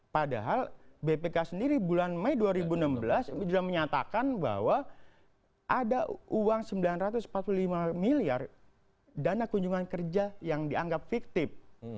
padahal bpk sendiri bulan mei dua ribu enam belas sudah menyatakan bahwa ada uang sembilan ratus empat puluh lima miliar dana kunjungan kerja yang dianggap fiktif